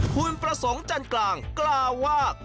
หุ่นประสงค์จันตร์กลางกล้าวาก